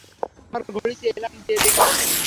আমার ঘড়িতে এলার্ম দিয়ে রেখেছি।